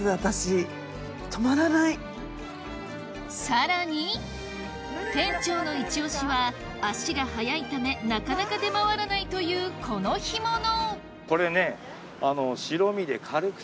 さらに店長のイチオシは足が早いためなかなか出回らないというこの干物これね。